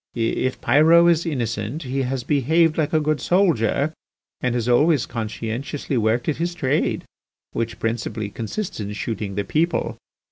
If Pyrot is innocent he has behaved like a good soldier and has always conscientiously worked at his trade, which principally consists in shooting the people.